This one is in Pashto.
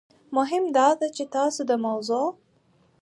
مهم داده چې تاسو د موضوع